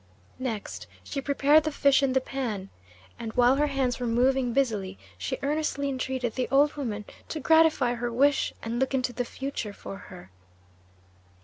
Next she prepared the fish and the pan, and while her hands were moving busily she earnestly entreated the old woman to gratify her wish and look into the future for her.